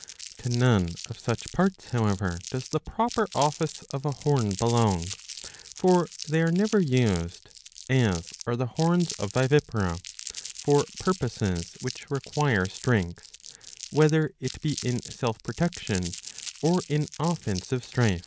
^ To none of such parts however does the proper office of a horn belong ; for they are never used, as are the horns of vivipara, for purposes which require strength, whether it be in self protection or in offensive strife.